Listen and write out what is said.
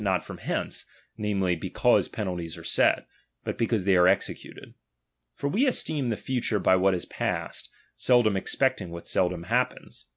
not from hence, namely, because penalties are set, '^i^"" but because they are executed. For we esteem must have the future by what is past, seldom expecting what Ilfthe^^^nst seldom happens.